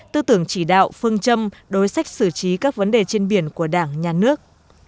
tư tưởng chỉ đạo phương châm đối sách xử trí các vấn đề trên biển của đảng nhà nước